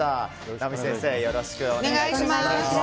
直美先生、よろしくお願いします。